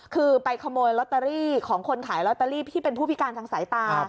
คือไปขโมยลอตเตอรี่ของคนขายลอตเตอรี่ที่เป็นผู้พิการทางสายตา